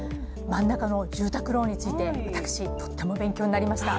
真ん中の住宅ローンについて私、とっても勉強になりました。